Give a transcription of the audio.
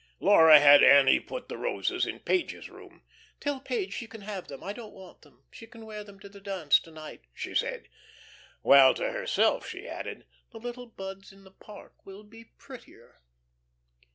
Laura had Annie put the roses in Page's room. "Tell Page she can have them; I don't want them. She can wear them to her dance to night," she said. While to herself she added: "The little buds in the park will be prettier."